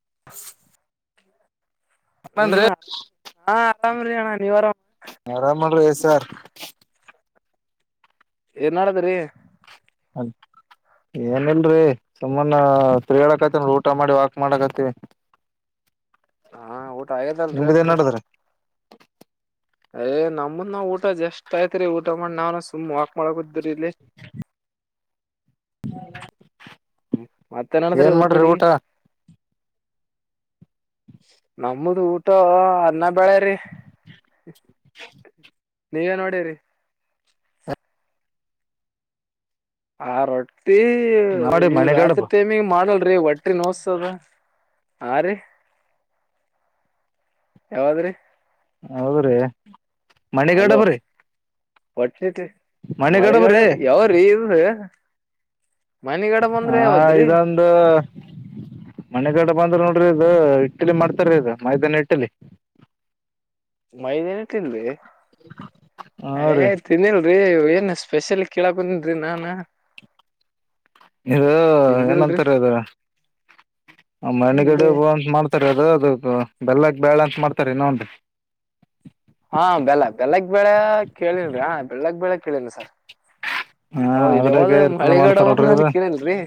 [inaudible] ಅಪ್ಪಂದ್ರೆ ಹ ನೀವರ ಆರಾಮನ ರಸಾರ್ ಏನ್ ಹ ಏನಲ್ರರಿ ಸುಮ್ಮಾನ ತಿರಿಗಳಕತಿ ನ ಊಟ ಮಾಡಿ ವಾಕ್ ಮಾಡಕತಿವಿ [inaudible] ಹಾ ಊಟ ಆಯದಲ್ರಿ ನಿಮ್ದ ಏನ್ ಅಂದ್ರ ನಡದ್ರಿ ಏ್ ನಮ್ದ ನಾ ಊಟ ಜಷ್ಟಟ್ ಆಯತ್ರಿ ಊಟ ಮಾಡಿ ನಾವ್ ಸುಮ್ ಹಾಕ್ ಮಾಡಕ ರಿಲ ಹ್ಮ ಮತ್ತೇನಡಾದ್ರೀ ಏನ್ ಊರ್ ಮಾಡ್ರಿ ಕಡೆಗೆ ಊಟ ನಮ್ಮದು ಊಟ ಅನ್ನ ಬಾಳೇ್ರಿ ನೀವೇ ನೋಡಿ್ರರಿ ಆ ರೊಟ್ಟಿ ನೋಡಿ ಇ್ ರಾತ್ರಿ ಮಣಿಗಡಬ್ ಟೈಮಿಗೆ ಮಾಡಲ್ರಿ ಒಟ್ಟಿ ಎಟರಿ ನೋಸ್ ಅದ ಆರು ಯಾವಾದ್ರಿ ಹೌದ್ರೀ ಮಣಿಗಡಬ್ರಿ ಒಟ್ಟತಿ ಮಳೆಗಾಡ ಮಣಿಗಡಬ್ರಿ ಯಾವ್ರೀ ಇ ಹ ಯಾವದ್ರಿ ಇದೊಂದು ಮನೆಗಡೆ ಬಂದ್ರ ನೋಡ್ರಿ ಇದು ಇಟ್ಟಲಿ ಮಾಡ್ತಾರ ಇದು ಮೈದಾನ ಇಟ್ಟಲಿ ಮೈದನ ತಿನ್ವಿ ಹಾ ರೀ ಯ ತಿನ್ನಿ ಏನ್ ಸ್ಪೆಷಲ್ ಕೇಳಕಂದನ್ಿ ನಾನ್ ಇದು ಏನಂತಾರ ಅದು ಏನ್ರಿ ಮಣ್ಣಗಡೆ ಅಂತ ಮಾಡ್ತಾರೆ ಅದು ಅದ ಬೆಲ್ಲಕ್ ಬ್ಯಾಳ ಅಂತ ಮಾಡ್ತಾರೆ ಇನಾ ವಂದು ಹಾ ಬೆಲ್ಲ ಬೆಲ್ಲಕ್ ಹೇಳಲ್ಲ ಸರ್ [unintelligible] ಹಾ ಹೌದ ಇದ ಅದ್ರಗ ಯಾವ್ದ ಇರ್ತದ ಮಳಿಗಡವ ಅನ್ನೋದ್ ಮಾಡ್ತಾರಡ್ರಿದು ಕೇಳಿಲ್ರಿ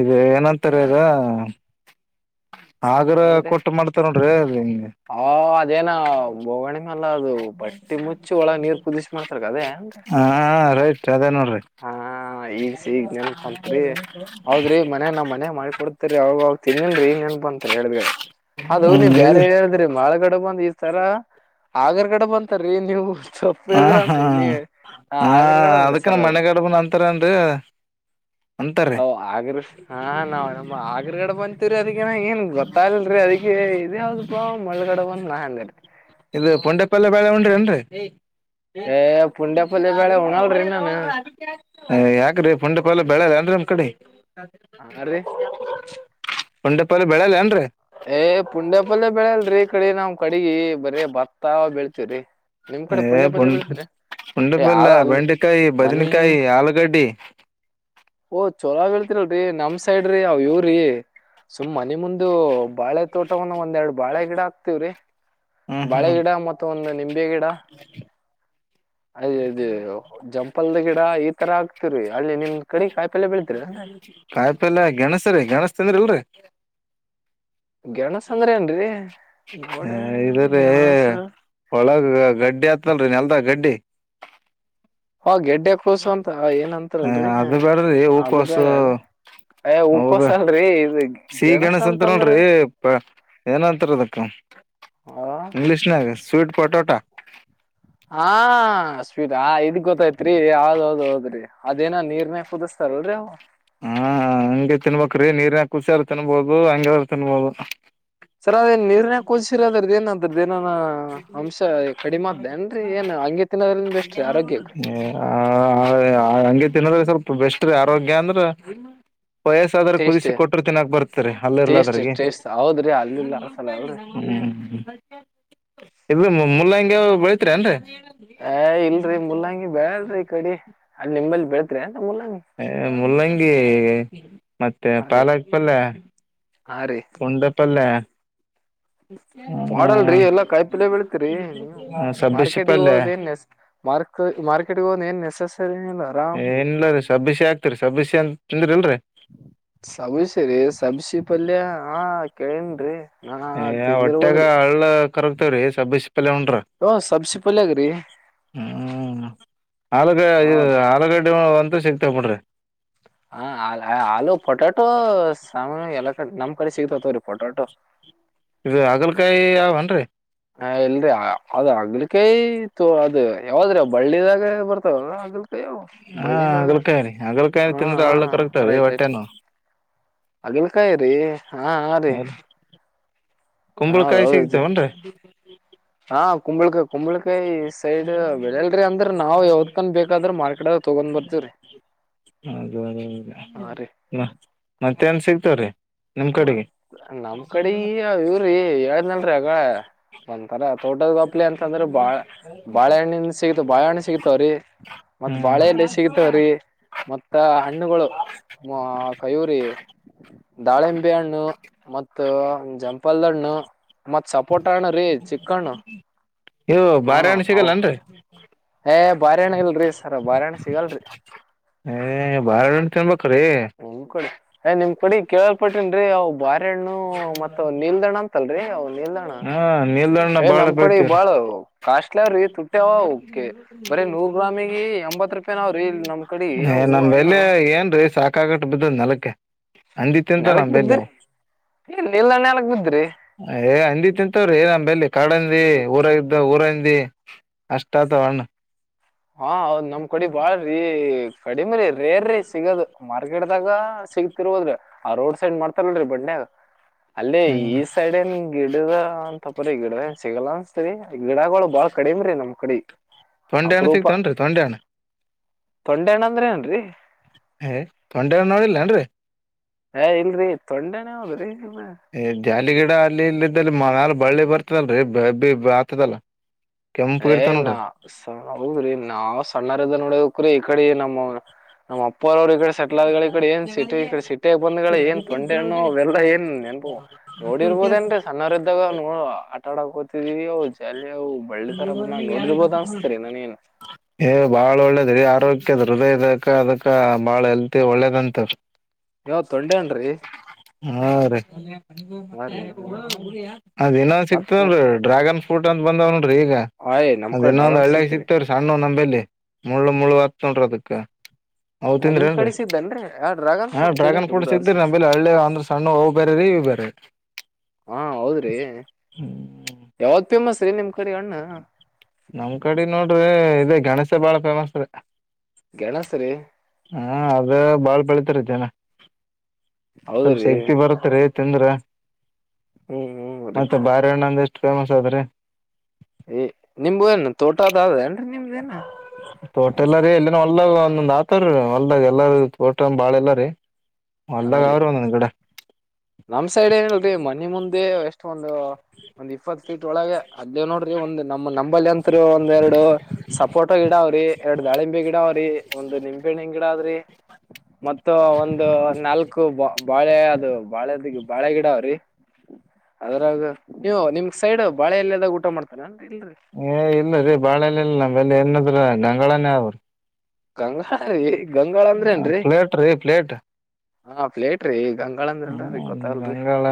ಇ ಏನಂತಾರೆ ಅದ ಆಗ್ರ ಕೊಟ್ಟ ಮಾಡ್ತ ನೋಡ್ರಿ ಹ ಅದೇನ ಬೋಗಣೆ ಕುದಿಸಿ ಮಾಡ್ತಾರ ಅದೇ ಏನ್ರಿ ಹಾ ರೈಟ್ ಅದೇ ನೋಡ್ರಿ ಹ ಈಗ ಸಗ್ ನೆನಪಾ ಅತ್ರಿ ಹೌದ್ರಿ ಮನೆ ನಾ್ ಮನೆ ಮಾಡಿ ಕೊಡ್ತರಿ ಅವಾಗ ಅವ ತಿನ್ನಿನ್ಿ ಏನ್ ಬಂತತ್ ಹೇಳ ಅದು ನೀ ಹ್ಮ್ ಇದು ಬೇರೆ ಹೇಳಿದ್ರಿ ಮಳಗಡೆ ಬಂದ ತರ ಆಗರ್ಗಡೆ ಬಂತಾರೀ ನೀವು ಸೊಪ್ಪು ಹಾ ಹೇಳಿದ್ರ ಹಾ ಇ ಆಗರ್ಗಡೆದ್ರಿ ಸರ್ ಅದು ಕಡಬನ್ ನಂತರ ಅಂದ [inaudible] ಅ ಆಗ್ರ ಹಾ ನಾವ್ ನಮ್ಮ ಆಗ್ರಗಡೆ ಬಂತೀವ್ರೀ ಅದಿನ ಏನ್ ಗೊತ್ತಾಗ್ಲ್ರಿ ಅದಿ ಇದ ಸ್ಲ್ಪ ಮಳ್ಳಳಗಡೆ ಬಂದ್ ನಾ ಅನ್ಗಡೆ ಇದು ಪೊಂಡೆ ಪಲ್ ಬಾಳೆ ಉಂಡ್ರಿ ಅನ್ರರಿ ಹ ಯಾಕ್ರೀ ಪುಂಡ ಪಲ್ಯ ಬೆಳೆದ ಅನ್ರಿ ನಮ್ ಕಡೆ ಹ ರೀ ಪುಡೆ ಪಾಲ್ ಬೆಳ ಇಲ್ಲೇನ್ರಿ ಏ ಪುಂಡ್ಯಪಲ್ಲ ಬೆಳಲ್ರರಿ ಕಡೆ ನಾವ್ ಕಡಗಿ ಬರ ಭತ್ತ ಬೆಳಳ್ತವ್ರಿ ನಿಮ್ ಕಡೆ ಪುಂಡ್ಯ ಬಲ್ಯ ಬೆಳಿದ್ರೆ ಉಂಡೆಪಲ್ಲ ಬೆಂಡೆಕಾಯಿ ಬದನಕಾಯಿ ಆಲೂಗಡ್ಡಿ ಓಹ್ ಚೊಲೀಳ್ತಿರಲ್ರರಿ ನಮ್ ಸೈಡ್್ರಿ ಅವ್ ಇವ್ರಿ ಸುಮ್ ಮನೆ ಮುಂದು ಬಾಳೆ ತೋಟವನ್ನು ಒಂದ್ರಡು ಬಾಳೆ ಗಿಡ ಆಕ್ತವ್ರಿ ಹ್ಮ್ ಬಾಳೆ ಹ್ಮ್ ಗಿಡ ಮತ್ತುತ್ತ ಒಂದು ನಿಂಬೆ ಗಿಡ ಅದೇ ಅದೇ ಜಂಪಲ್ದ ಗಿಡ ಈ ತರ ಆಕ್ತಿರಿ ಅಲ್ಲಿಿ ನಿಮ್ದ ಕಾಯಪಲ್ಲ ಗಣೇಶ ರೀ ಗಣೇಶ ತಂದ್ರಿ ಇಲ್ರಿ ಗಗೆಣಸ್ ಅಂದ್ರ ಏನ್ರಿ ನೋಡ ಹ ಇದ್ರೀ ಗೆಣಸ ಒಳಗ ಗಡ್ಡಿ ಆತ್ನಲ್ ಎಲ್ದ ಗಡ್ಡಿ ಆ ಗೆಡ್ಡೆ ಕೂಸು ಅಂತ ಆ, ಏನ್ ಹ ಅಂತಾರಲ್ರಿ ಅದು ಬೇಡ್ರಿ ಅದು ಕಸ ಬೇರೆ ಅಲ್ರಿ ಏ ಹೌದ ಹೂಕೋಸ್ ಅಲ್ರಿ ಇದು ಸಿಹ ಗೆಣಸ್ ಗಣಸ್ ಅಂತರ ಅಂತಂದ್ರ ನೋನ್್ರಿ ಪ ಏನಂತಾರ ಅದಕ್ಕ ಆ, ಇಂಗ್ಲಿಷ್ ನ ಸ್ವಿಟ್ ಪೊಟೋಟಾ ಹಾ ಸ್ವೀಟ್ ಇದ್ ಗೊತ್ತೈತ್ರಿ ಹೌದ್ ಹೌದ್ ಹೌದ್ರಿ ಅದೇನ ನೀರ್ನೆೇ ಕೂದಸ್ತ ಚ ರ ಹಾ ಹಂಗೆ ತಿನ್ಬೇಕ್ರೀ ನೀರ್ನ ಖುಷಿಯ್ರ ತಿನ್ಬೋದು ಹಂಗಾದ್ರರು ತಿನ್ಬೋದು ಸರ್ ಅದೇನ್ ನೀರ್ನ ಕುದಸಿರ ಅದ್ರದ್ದ ಏನ ಅದ್ರದ್ದ ಏನ ಅಂಶ ಕಡಿಮಾ್ದೆ ಏನ್ರರಿ ಏನ ಹಗೆ ತಿನ್ನದ್ರೆ ಸ್ವಲ್ಪ ಬೆಸ್ಟ್ ಆರೋಗ್ಯ ಅಂದ್ರ ವಯಸ್ಸಾದ್ರ ಟೇಸ್ಟ್ ಕುದಿಸಿ ಕೊಟ್ಟರು ತಿನ್ನಾಕ್ ಬರ್ತರಿ ಟೇಸ್ಟ್ ಅಲ್ಲಿರ್ಲದ್ರಿಗೆ ಟೇಸ್ಟ್ ಹೌದ್ರಿ ಅಲ್ಲಿಲ್ಲ ಅಲ್ಸಲ್ಲ ಅಲ್ರಿ ನ ಇ ಮೂಲಂಗಿ ಬೆಳತ್ರಿ ಏನ್ರರಿ ಏ ಇಲ್ರಿ ಮುಲ್ಲಂಗಿ ಬೆಯಾಲ್ರಿ ಕಡಿ ಅಲ್ ನಿಂಬಲ್ಲಿ ಬೆಳತೀರಿ ಹ ಮುಲ್ಲಂಗಿ ಮತ್ತೆ ಹಾ ರೀ ಪಾಲಕ್ ಪಲ್ಯ ಹಾ ರೀ ಉಂಡೆ ಪಲ್ಲಯ ಮಾಡಾಡಲ್ರರಿ ಎಲ್ಲಾ ಕಾಯಿ ಪಿಲೆ ಬೆೀಳತಿರಿ ನೀವು ಆ, ಸಬ್ಬಸಿ ಮಾರ್ಕೆಟಿಗೆ ಪಲ್ಯ ಹೋದ ಏನ್ಸ್ ಮಾರ್ ಮಾರ್ಕೆಟಿಗೆ ಹೋದ್ ಏನ್ ಎಸ್ಸ್ ಏನ್ಲ್ಲೀ ಸಬ್ಬಸ ಆಗ್ತರಿ ಸಬ್ಬಸಿ ಅಂತ ತಂದ್ರಿ ಇಲ್ರರಿ ಸಬಸಿರಿ ಸಬ್ಸಿ ಪಲ್ಯ ಹಾ ಕೇಳನ್ರಿ ಅಯ ಹೊಟ್ಟ್ಯಾಗ ಹಳ್ಳ ಕರಕ್ತೇವ್ರೀ ಸಬ್ಬ ಲಂಡ್ರ ಓ ಸಬ್ಸಿ ಪಲ್ಯಾಗ್ರಿ ಹ್ಮ ಆಲುಗ ಹಾ ಆಲಗಡ್ಡೆ ಅಂತ ಶಕ್ತ ಕೊಡ್ರಿ ಹ ಆಲೂ ಪೊಟಾಟೋ ಸಾಮ ಎಲ್ಲ ನಮ್ ಕಡೆ ಸಿಗ್ತತ ರಿಪೋರ್ ಟೋ ಇದು ಹಾಗಲಕಾಯಿ ಯೇನ್ರಿ ಹ ಇಲ್ರಿ ಅದ್ ಅಗ್ಲಿಕೈತ ಅದು ಯಾವದ್ರೀ ಬಳ್ಳಿದಾಗ ಬರ್ತಾವ ಅಗ್ ಕಯ ಹಾ ಬಳ್ಳದ ಹಾಗಲ್ಕಾಯಿ ರೀ ಹಾಗಲ್ಕಾಯಿ ಹ ತಿಂದ್ರೆ ಹಳ್ಳ ಹ ಕರಗ್ತಾವ್ರಿ ರೈಟ್ ಹೊಟ್ಟೆ ರೈಟ್ ನೋವು ಅಗಲ್ಕಾಯ ರೀ ಹಾ ಹ ರರಿ ಹೌದ್ರಿ ಕುಂಬಳಕಾಯಿ ಹೌದೌದದು ಸಿಗ್ತಾವನ್ರಿ ಹಾ ಕುಂಬಳಕಾಯ ಕುಂಬಳಕಾಯಿ ಸೈಡ್ ಬೆಳಿಲ್ರಿ ಅಂದ್ರ ನಾವವು ಯಾವದ್ಕನ್ ಬೇಕಾದ್ರ ಮಾರ್ಕೆಟ್ಗ ತಗೊಂಡ್ ಬರ್ತವ್ರಿ ಅ ಮತ್ತೆ ನ್ ಸಿಗ್ತವ್ರೀ ಮತ್ತ್ ನಮ್ ಕಡೆ ಇವ್ರಿ ಏಳ್ನಲ್ರಿ ಅಗ ಒಂಥರ ತೋಟದ ಗಪ್ಲಿ ಅಂತಂದ್ರ ಬಾಳ ಬಾಳೆಹಣ್ಣಿಂದ ಸಿಗತ ಬಾಳೆಹಣ್ಣು ಸಿಗತಾವ್ರೀ ಮತ್ತ್ ಹ್ಮ್ ಬಾಳೆ ಎೆಯಲ್ಲಿ ಸಿಗತವ್ರಿ ಮತ್ತ ಹಣ್ಣುಗಳು ಮ ಕಯುರಿ ದಾಳಿಂಬೆ ಹಣ್ಣು ಮತ್ತು ಜಂಪಲ್ದ ಹಣ್ಣು ಮತ್ ಸಪೋಟ ಅಣ್ಣ ರೀ ಚಿಕ್ಕಣ್ಣ ಯ ಬಾರೆಹಣ್ಣ ಸಿಗಲ್ಲನ್ರರಿ. ಏ ಬಾರೆಹಣ್ಣು ಇಲ್ರರಿ ಸರ್ ಬಾರೆಹಣ್ಣ್ ಸಿಗಲ್ರಿ. ಏ ಬಾರೆಹಣ್ ತಿನ್ಬೇಕ್. ನಿಮ್ ಕಡೆ ಏ ನಿಮ್ ಕಡಿ ಕೇಳಲ್ಪಟನ್ರೀ ಅವು ಬಾರಿ. ಣ್ಣ ಮ ನಿಲ್ದಾಣ ಅಂತಲ್ರರಿ ನಿಲ್ದಾಣ ಹಾ ನೀಲ್ದಣ್ಣ ಏ ಬಾಳ ನಮ್ ಕಡೆ ಬೆಳಿತೀವ್ರಿ ಬಾಳ ಕಾಶ್ ಟ್ಲ ತುಟ್ಟ್ಯಾವ ಕೆ ಬರೀ ನೂರ್ ಗ್ರಾಮಿಗೆ ಎಂಬತ್ ರೂಪಾಯಿ ನಾವ್ರೀ ನಮ್ ಕಡೆ ‌ರೀ ಅವು. ಹಣ್ಣು ಮೇಲೆ ಏನ್ರೀ ಸಾಕಾಗಟ್ ಬಿದ್ದದ್ ನಲ್ಕ. ಅಂದಿ ತಿಂತ ನ ನೆಲಕ್ ಬೆಲ್ಲ. ಬಿದ್ರಿ ಇಲ್ ಇಲ್ಲ ನೆಲಕ್ ಬಿದ್ರಿ ಏ ಅಂದಿತಿಂತವ್ರಿ ಏ ನ ಬೆಲ್ಲಿ ಕಾಡಂದಿ ಅಯ್ಯೋ ಊರಾಗಿದ್ದ ಊರಂದಿ. ಅಷ್ಟಾ ತಗ್ಣ. ಹಾ ಹೌದ್ ನಮ್ ಕಡಿ ಬಾಳ್ರಿ. ಕಡಿಮ್ರೀ ರೇರ್ರಿ ಸಿಗೋದು ಮಾರ್ಕೆಟ್ದಾಗ ಸಿಗ್ತಿರ್ ಹೋದ್ರಿ ಆ ರೋಡ್ ಸೈಡ್ ಮಾಡ್ತಾರಲ್ರರಿ ಬಣ್ಣೆ. ಅಲ್ಲೇ ಹ್ಮ್ ಈ ಸೈಡ್ ಏನ್ ಗಿಡದ ಅಂತಪ್ರ ಗಿಡ ಸಿಗಲ್ಲ ಅನ್ಸ್ತರಿ. ಗಿಡಗಳು ಬಾಳ ಕಡಿಮ ರೀ ನಮ್ ಕಡೆ. ತನ್ ಸಿಕ್ತೆನ್ರಿ ತೊಂಡೆ ಹಣ್ಣ. ತೊಂಡೆ ಹಣ್ಣ ಅಂದ್ರ ಏನ್ರಿ. ಏ ತೊಂಡೆಹಣ್ ನೋಡಿಲ್ಲೇಏನ್ರರಿ. ಏ ಇಲ್ರಿ ತೊಂಡೆಹಣ್ ಹೌದ್ರಿ ಇ ಏ ಜಾಲಿ ಗಿಡ ಅಲ್ಲಿ ಇಲ್ಲಿದ್ದಲ್ಲಿ ಮಾಲ ಬಳ್ಳಿ ಬರ್ತದಲ್ರೀ ಆತದಲ್ಲ. ಕೆಂಪು ಏ ಇರ್ತಾವ ನಾ ನೋಡ್ರಿ ಸ ಹದ್ರಿ ನಾವವು ಸಣ್ಣಾರೊರಿದ್ದಾಗ ನೊಡ್ಬೆಕ್ರಿ. ಕಡೆ ನಮ್ [unintelligible] ಇಪ್ಪೋರ ಅವ್ರ ಈ ಕಡೆ ಸೆಟ್ಲ್ ಆದಗಳ ಈಡೆ ಏನ್ ಸಿಟಿ ಈಡೆ ಸಿಟಿಯಾಗ ಬಂದಗಳು ಏನ್ ತೊಂಡೆ ಹಣ್ಣ ಎಲ್ಲ ಏನ್ ನೆನ್ಪು. ನೋಡಿರ್ಬೋದೇಏನ್ರೀ ಸಣ್ಣವರ ಇದ್ದಾಗ ನ ಆಟ ಆಡಕ್ಕೊತಿದೀವಿ ಅವು ಜಾಲ ಅವು. [unintelligible] ನಾನ್ ನೋಡಿರ್ಬೋದು ಅನ್ಸ್ತರಿ ನಾನ್ ಏನು. ಏ ಬಾಳ್ ಒಳ್ಳೇದ್ರೀ ಆರೋಗ್ಯದ ಹೃದಯ ಇದಕ್ಕ ಅದಕ್ಕ ಬಾಳ ಹೆಲ್ತಿ ಒಳ್ಳೇದಂತವ. ಯಾವ ತೊಂಡೆ ಅನ್ರೀ. ಹಾ ರೀ ಅದೇನೊಂದ್ ಮತ್ ಸಿಕ್ತೇನ್ ರೀ ಡ್ರ್ಯಾಗನ್ ಫ್ರೂಟ್ ಅಂತ ಬಂದವ ನೋಡ್ರಿ ಈಗ. ಆಯ್ ನಮ್ ಅದ ಕಡೆ ಇನ್ನೊ ಒಂದ ಡ್ರಾಗನ್ ಹಳ್ಳ್ಯ ಸಿಗ್ತ್ರಿ ಸಿಗ್ತವ ರೀ. ಅಂಬೆಲಿ ಮುಳ್ಳು ಮುಳ್ಳು ಹತ್ತೊಂಡ್ರ ಅದಕ್ಕ. ನಿಮ್ ಹೌತಿಂದ್ರೆಂದ್ರಿ ಕಡೆ ಸಿಗ್ತನ್ರಿ ಆ ಡ್ರಾಗನ್ ಹ ಫ್ರೂಟ್ ಡ್ರ್ಯಾಗನ್ ಕೇಳೇನ್ರಿ ಫ್ರೂಟ್ ಬಿಡ್ರಿ ಅರ್ಸ ಸಿಕ್ತಿರಿ ನಮೇಲ್ಲಿ ಹಳ್ಳಿ ಅಂದ್ರ ಸಣ್ಣ ಹೋಗ್ ಬೇರೆ ರೀ. ನೀ [unintelligible] ಹಾ ಹೌದ್ರಿ ಯಾವ್ದ್ ಫೇಮಸ್ ರೀ ನಿಮ್ ಕಡಿ ಅಣ್ಣ. ನಮ್ ಕಡೆ ನೋಡ್ರಿ ಇದೇ ಗಣೇಶ ಬಾಳ ಫೇಮಸ್ ರಿ. ಗೆಣಸ್ ರಿ ಹಾ ಅದ ಬಾಳ್ ಬೆಳಿತಾರ ಜನ ಸ್ವಲ್ಪ ಹೌದ್ರಿ ಶಕ್ತಿ ಬರುತ್ತ್ರಿ. ತಿಂದ್ರ ಹ್ಮ್ ಹ್ಮ್ ರೀ ಮತ್ತೆ ಬಾರಿಹಣ್ಣ ಅಂದ ಎಷ್ಟು ಫೇಮಸ್ ಅದ್ರಿ. ಹೇ ನಿಂಬು ಏನ್. ತೋಟ ಅದ ಅದೇನ್ರಿ ನಿಮ್ದೇನ್ ತೋಟೆಲ್ಲರಿ ಎಲ್ಲಿನ ಒಳ್ಳ. ಒಂದ್ ಆತರ ಹೊಲ್ದಾಗ ಎಲ್ಲಾರ ತೋಟ ಬಾಳ ಎಲ್ಲಾರೀ. ಹಾ ರೀ ನಮ್ ಸೈಡ್ ಏನಲ್ರಿ ಮನಿ ಮುಂದೆ. ಅದೆ ಎಷ್ಟ ಒಂದು ಒಂದ್ ಇಪ್ಪತ್ತು ಫೀಟ್ ಒಳಗೆ ಅದ ನೋಡ್ರಿ ಒಂದ. ನಮ್ಮ ನಂಬಲ್ಲಿ ಅಂತ್ರು ಒಂದ ಎರಡು ಸಪೋಟೋ ಗಿಡಾವ್ರಿ ಎರಡು ದಾಳಿಂಬೆ ಗಿಡಾವ್ರಿ ಒಂದು ನಿಂಬೆ. ಗಿಡ ಆದ್ರಿ ಮತ್ತ ಒಂದು ನಾಲ್ಕು ಬ ಬಾಳೆ ಅದು ಬಾಳೆದಿ ಬಾಳೆ ಗಿಡ ಅವ್ರಿ ಅದ್ರಾಗ ನೀವು. ನಿಮ್ ಸೈಡ್ ಬಾಳೆ ಎಲ್ಲದಾಗ ಊಟ ಮಾಡ್ತಾನನ್ರಿ ಇಲ್ರರಿ. ಆಮೇಲೆ ಏನದ್ರ ಗಂಗಳಾನೇ ಅವ್ರರು. ಗಂಗಾಳ ರೀ ಗಂಗಾಳ ಅಂದ್ರೇ ಏನ್ರಿ ಪ್ಲೇಟ್ ರೀ ಪ್ಲೇಟ್ ಹ ಪ್ಲೇಟ್ ರೀಗ. ಗಂಗಾಳ ಅಂದ ಇಲ್ರೀ ಹ್ಮ್ ಗೊತ್ತಲ್ರರಿ. ಗಂಗಾಳ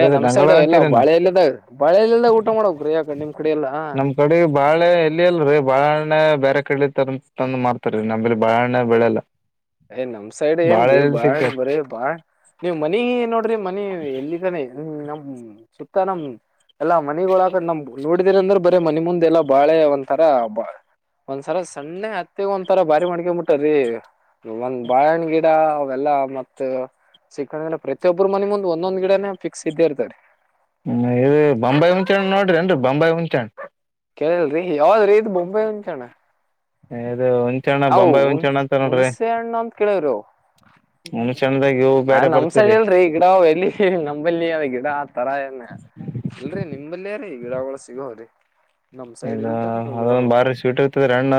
ಏ ನಮ್ ಗಂಗಾಳ ಸೈಡ್ ಎಲ್ಲ ಅಂತೀರಿ ನಾವ್ ಬಾಳೆ ಎಲ್ಲದಾಗ ಬಾಳೆಲ್ಲದಾಗ ಊಟ ಮಾಡ್ರೀ ಯಾಕ ನಿಮ್ ಕಡೆ ಎಲ್ಲಾ. ನಮ್ ಕಡೆ ಬಾಳೆ ಎಲ್ಲಿ ಇಲ್ ರೀ ಬಾಳೆಹಣ್ಣು ಬೇರೆ ಕಡೆ ತರ ತಂದು ಮಾಡ್ತಾರ ನಂಬಲ್ಲಿ ಬಾಳೆಹಣ್ಣು ಬೆಳೆಲ್ಲ ಯ್ ನಮ್ ಸೈಡ್ ಬಾಳೆ ಏನ್ರೀ ಎಲ್ಲಿ ಬಾಳೆಹಣ್ಣು ಸಿಗ್ತಾವ ಬರ ಬಾಳೆ ನೀವ್ ಮನೆ ನೋಡ್ರಿ ಮನಿ ಎಲ್ಲಿತನ ಐತರಿ ಹ್ಮ್ ನಮ್ ಸುತ್ತ ನಮ್ ಎಲ್ಲಾ ಮನೆಗಳದ ನಮ್ ನೋಡಿದರಿ ಅಂದ್ರೆ ಬರೀ ಮನೆ ಮುಂದೆ ಎಲ್ಲಾ ಬಾಳೆ ಒಂಥರ ಬಾ ಒಂದ್ಸರ ಸಣ್ಣೆಗ ಹತ್ತಿಗ ಒಂತರ ಬಾರಿ ಮಡ್ಕಬಟ್ಟರ ಒಂದ್ ಬಾಳೆಹಣ್ಣು ಗಿಡ ಅವೆಲ್ಲ ಮತ್ತ ಸಿಕ್ಕಣ್ರ ಪ್ರತಿಯೊಬ್ಬರು ಮನಿ ಮುಂದ್ ಒಂದೊಂದ್ ಗಿಡನೆ ಫಿಕ್ಸ್ ಇದ್ದೇ ಇರ್ತಾವ ರೀ ಹ್ಮ ಇ ಬಾಂಬೆಯಿ ಹುಂಚೆ ಹಣ್ಣ ನೋಡರೀ ಏನ್ರಿ ಬಾಂಬೆಯಿ ಹುಂಚೆ ಹಣ್ಣ ಕೇಳಲ್ರಿ ಯಾವದ್ರಿ ಇದು ಬೊಂಬೈ ಹುಂಚೆ ಹಣ್ಣ ಇದು ಹುಂಚಣ್ಣ ಹ ನಾವ ಬೊಂಬಾಯಿ ಹುಂಚಣ್ಣ ಹುಣಸೆ ಹಣ್ಣು ಅಂತ ಕೇಳಿವ ರೀ ಹುಣಸೆಹಣ್ಣ ಹಾ ನಮ್ ಸೈಡ್ ಇಲ್ರರಿ ಗಿಡ ಅವ ಎಲ್ಲಿ ನಂಬಲ್ಲಿ ಅವ ಗಿಡ ಆತರ ಏನ್ ಇಲ್ರರಿ ನಿಮಲ್ಲಯ ರೀ ಗಿಡಗಳ ಸಿಗೋವರಿ ಇದ ಅದೊಂದು ಬಾರಿ ಸ್ವೀಟ್ ಇರ್ತದ ರೀ ಹಣ್ಣ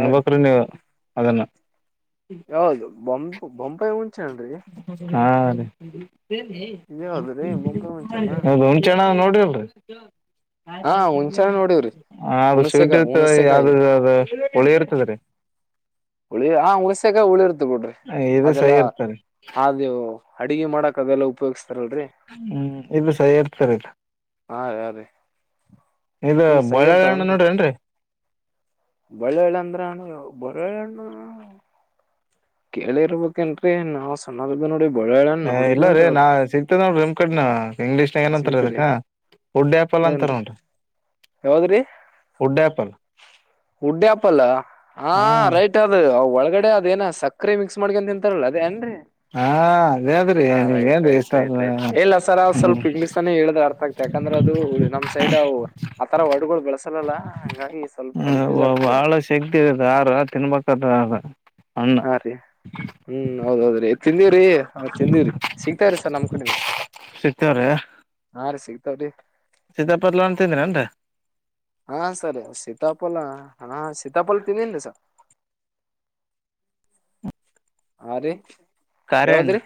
ಹೌದ್ ನೀವು ಅದನ್ನು ಯಾವುದು ಬೊ ಬೊಂಬಾಯಿ ಹುಣಸೆಹಣ್ರೀ ಅದ ಇದ್ಯಾವ್ದ್ರಿ ಬೊಂಬಾಯಿ ಹುಣ್ಸೆಹಣ್ಣ ಹುಣಸೆ ಹಣ್ಣು ನೋಡಿಲ್ರಿ ಹಾ ಹುಣ್ಸೆಹಣ್ ನೋಡಿವ್ರಿ ಹದು ಸ್ವೀಟ್ ಹುಣಸೆಕಾಯಿ ಇರ್ತದೆ ಹುಣಸೆಕಾಯಿ ಯಾವ್ದ ಅದು ಹುಳಿ ಇರ್ತದ್ರಿ ಹಾ ಹುಳಿ ಹುಣಸೆಕಾಯಿ ಹುಳಿ ಇರ್ತದೆ ಬಿಡ್ರಿ ಇದು ಸೈ ಅದೆಲ್ಲಾ ಇರ್ತರಿ ಅದೇವು ಅಡುಗೆ ಮಾಡಕ್ ಅದೆಲ್ ಉಪಯೋಗಿಸ ಹ್ಮ್ ಇದುಸ ಇರ್ತಾರಲ್ಲ ಹಾ ಹಾರಿ ಇದು ಸೈಯರ್ ಬಳ್ಳಾಳಿ ತಗಂ ಹಣ್ಣು ನೋಡ್ರೇನ್ರಿ ಬಳ್ಳಳ್ಳ ಅಂದ್ರ ಬರೆಹಣ್ಣ ಕೇಳಿರ್ಬೇಕನ್ ರೀ ನಾವ್ ಸಣ್ಣಾರದ ನೋಡಿ ಬಳ್ಳಿಹಳ್ಳಿ ಹಣ್ಣ್ ಹ ಇಲ್ಲ ರೀ ನೋಡಿದ್ಲೇನ್ರಿ ನಾ ಅದ ಸಿಗ್ತದ್ ನೋಡರೀ ನಿಮ್ಮ ಕಡ್ನ ಇಂಗ್ಲೀಷ್ನಾಗ ಏನಂತಾರ ಅದಕ್ಕ ಸಿಗತ್ರಿ ಒಡ್ಡ್ಯಾಪಲ್ ಅಂತಾರ ಏನ್ರಿ ಉಂಟ ಗುಡ್ಡೆಯಾಪಲ್ ಒಡ್ಡ್ಯಾಪಲ್ ಉಡ್ ಆಪಲ್ಲ ಹ ರೈಟ್ ಅದು ಒಳಗಡೆ ಅದೇನ ಸಕ್ಕ ಮಿಕ್ಸ್ ಮಾಡಕಂತ ತಿಂತಲಾಳ ಅದೇ ಅನರಿ ಹಾ ಅದೇ ಅದ್ರಿ ಹ ನೀವ್ ರೈಟ್ ಏನ್ರಿ ರೈಟ್ ಸರ್ ರೈಟ್ ರೈಟ್ ಇಲ್ಲ ಸರ್ ಅವ್ ಹ್ಮ್ ಸ್ವಲ್ಪ ಇಗ್ನಿಸ್ತಾನೆ ಹೇಳ್ದ ಅರ್ಥ ಆಗ್ತ. ಯಾಕಂದ್ರೆ ಅದು ನಮ್ ಸೈಡ್ ಆ ತರ ವರ್ಡ್ಗಳು ಬೆಳಸಲಲ್ಲ ಹಂಗಾಗಿ ಸ್ವಲ್ಪ ಕನ್ಫ್ಯೂಸ್ ಆಗ್ತದೆ. ಹಳ [unintelligible] ಯಾರ ತಿನ್ಬೇಕದ ಹಣ್ಣ ಹಾ ರೀ ಹ್ಮ್ ಹೌದೌಹೌದ್ರಿ ತಿಂದೀವ್ರಿ ತಿಂದೀವ್ರಿ ಸಿಗ್ತ್ರಿ ಸರ್ ನಮ್ ಕಡಿಂದ ಸಿಕ್ತವ್ರ ಸಿಗ್ತಾವ್ರಿ ಸೀತಾ ಪೇರಲನ್ ತಿಂದ್ರೇನ್ರೀ ಹಾ ಸರ ಸೀತಾಪಲ್ ಹ ಸೀತಾಪಲ್ ತಿಂದಿನ್ರಿ ಸರ್ ಹಾ ರೀ ಕಾರ್ಯಣ್ಣ ಯಾವದ್ರಿ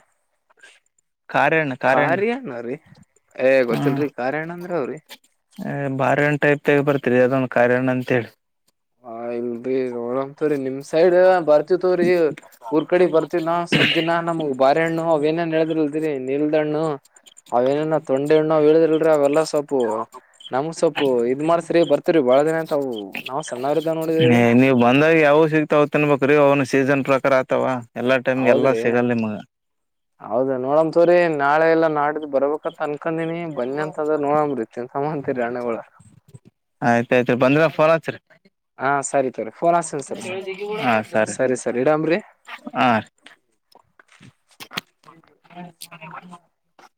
ಕಾರ್ಯಣ್ಣ ಕಾರ್ಯಣ್ಣ ಕಾರ್ಯಣ್ರೀ ಏ ಗೊತ್ತಲ್ರರಿ ಕಾರ್ಯಾಣ ಅಂದ್ರ ಅವ್ರರಿ ಬಾರಿಹಣ್ಣ ಟೈಪ್ ಬರ್ತರಿ ಅದೊ ಕಾರ್ಯಣ್ಣ ಅಂತ ಹೇಳಿ ಆ ಇಲ್ಲ [unintelligible] ನೋಡ ತವರಿ ನಿಮ್ ಸೈಡ್ ಬರ್ತವತವ್ರರಿ ಊರ್ ಕಡೆ ಬರ್ತವ ನಾವ ಸ್ವಪ್ ದಿನ ನಮ್ಗ್ ಬ ಬಾರೆ ಹಣ್ಣ ಅವೇನೇ ಹೇಳಿದ್ರಲ್ದೀರಿ ನಿಲ್ದ ಹಣ್ಣು ಅವೇನೇನ ತೊಂಡೆ ಹಣ್ಣ ಇಲ್ರರಿ ಅವೆಲ್ಲ ಸ್ವಪ್ ನಮ್ ಸೊಪು ಇದ್ ಮಾಡಸ್ರಿ ಬರ್ತರಿ ಬಾಳ ದಿನ ಅಂತ ಅವು ನಮ ಹಏ ನೀವ್ ಬಂದಾಗ ಯಾವ ಸಿಗ್ತಾವ ತಿನ್ಬೇಕ್ರೀ ಅವನು ಸೀಸನ್ ಪ್ರಕಾರ ಆತವಾ ಎಲ್ಲಾ ಟೈಮ್ಗೆ ಎಲ್ಲಾ ಸಿಗಲ್ಲ ನಿಮಗ. ಹೌದ ನೋಡಮ ತೊರಿ ನಾಳೆ ಎಲ್ಲಾ ನಾಡಿದು ಬರ್ಬೇಕು ಅ ಅನ್ಕಂದಿನಿ ಬನ್ನಿ ಅಂತದ ನೋಡಂಬ್ರಿ ತಿನ್ ಸಮ ಅಂತೀರಿ ಹಣ್ಣಗಳು ಆಯ್ತಾ ಆಯ್ತಾ ಬಂದ್ರ ಫೋನ್ ಹಚ್ರಿ ಹಾ ಸರಿ ಸರಿ ಫೋನ್ ಹಸ್ನ ಸರಿ ಸರ್ ಸರಿ ಸರ್ ಇಡಂಬ್ರಿ ಆ